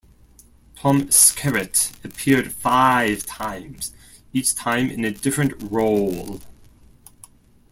Tom Skerritt appeared five times, each time in a different role.